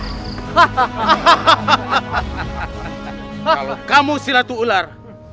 kalau kamu siluman ular